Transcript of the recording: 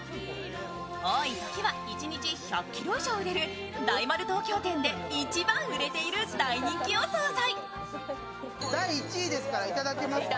多いときは一日１００ｋｇ以上売れる大丸東京店で一番売れている大人気お惣菜。